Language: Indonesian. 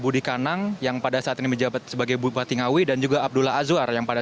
budi kanang yang pada saat ini menjabat sebagai bupati ngawi dan juga abdullah azwar yang pada